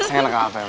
seneng enak apa emang